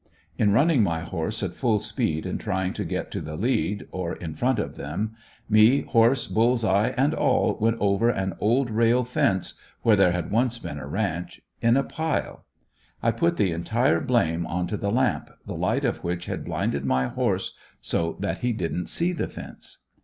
In running my horse at full speed in trying to get to the lead, or in front of them, me, horse, bulls eye and all went over an old rail fence where there had once been a ranch in a pile. I put the entire blame onto the lamp, the light of which had blinded my horse so that he didn't see the fence.